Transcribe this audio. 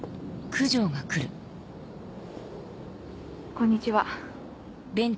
こんにちは。